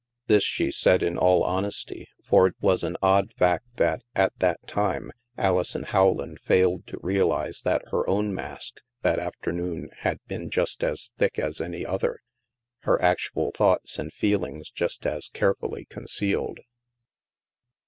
This she said in all honesty, for it was an odd fact that, at that time, Alison Rowland failed to realize that her own mask, that afternoon, had been just as thick as any other, her actual thoughts and feelings just as carefully concealed!